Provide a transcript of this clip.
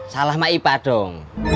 salah ma ipa dong